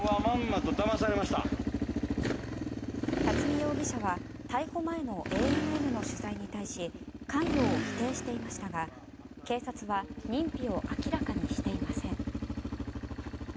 巽容疑者は逮捕前のＡＮＮの取材に対し関与を否定していましたが警察は認否を明らかにしていません。